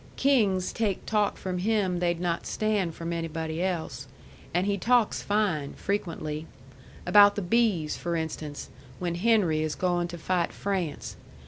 Kings take talk from him they'd not stand from anybody else; and he talks fine, frequently. About the bees, for instance, when Henry is going to fight France.